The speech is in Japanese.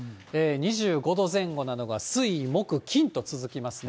２５度前後なのが水、木、金と続きますね。